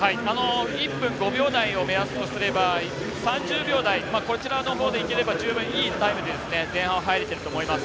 １分５秒台を目安とすれば３０秒台こちらのほうでいければ十分いいタイムで前半、入れてると思います。